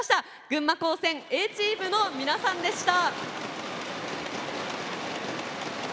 群馬高専Ａチームの皆さんでした！